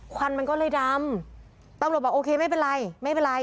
ควันมันก็เลยดำตำรวจบอกโอเคไม่เป็นไร